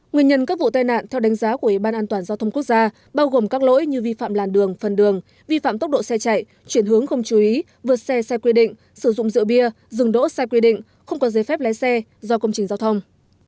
nguyên nhân các vụ tai nạn theo đánh giá của ủy ban an toàn giao thông quốc gia bao gồm các lỗi như vi phạm làn đường phần đường vi phạm tốc độ xe chạy chuyển hướng không chú ý vượt xe xe quy định sử dụng rượu bia dừng đỗ sai quy định không có giấy phép lái xe do công trình giao thông